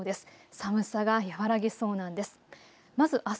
寒さが和らぎそうなんです。